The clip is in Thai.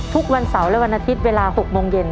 ทุกวันเสาร์และวันอาทิตย์เวลา๖โมงเย็น